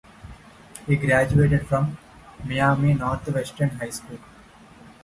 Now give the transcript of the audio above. He graduated from Miami Northwestern High School.